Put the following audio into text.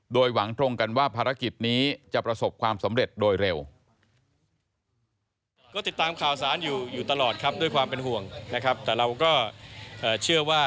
โดยหวังตรงกันว่าภารกิจนี้จะประสบความสำเร็จโดยเร็ว